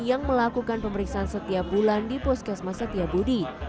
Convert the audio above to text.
yang melakukan pemeriksaan setiap bulan di puskesmas setiabudi